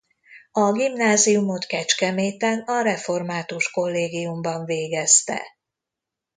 A gimnáziumot Kecskeméten a református kollégiumban végezte.